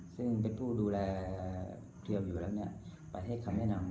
ซึ่งเป็นผู้ดูแลเทียมอยู่แล้วไปให้คำแนะนำ